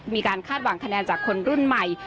คาดหวังคะแนนจากคนรุ่นใหม่